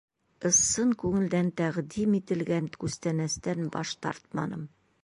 Ысын күңелдән тәҡдим ителгән күстәнәстән баш тартманым.